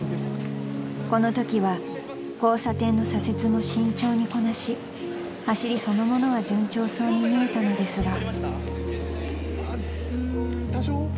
［このときは交差点の左折も慎重にこなし走りそのものは順調そうに見えたのですが］